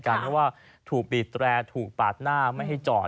เพราะว่าถูกบีดแรร์ถูกปาดหน้าไม่ให้จอด